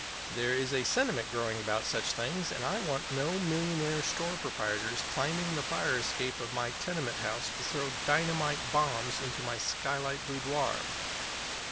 There is a sentiment growing about such things, and I want no millionaire store proprietors climbing the fire escape of my tenement house to throw dynamite bombs into my skylight boudoir.